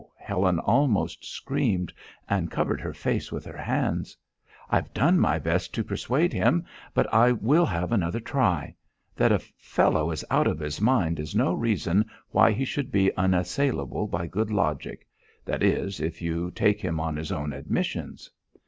Helen almost screamed, and covered her face with her hands. "I've done my best to persuade him. But I will have another try. That a fellow is out of his mind is no reason why he should be unassailable by good logic that is, if you take him on his own admissions."